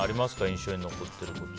印象に残っている言葉。